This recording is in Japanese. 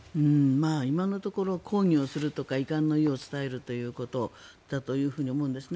今のところ抗議をするとか遺憾の意を伝えるということだと思うんですね。